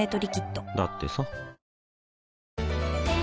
だってさ